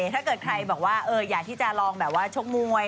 ถ้าเกิดใครบอกว่าอยากที่จะลองแบบว่าชกมวย